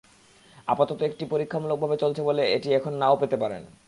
আপাতত এটি পরীক্ষামূলকভাবে চলছে বলে অনেকে এটি এখন নাও পেতে পারেন।